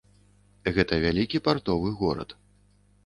Гэта вялікі партовы горад.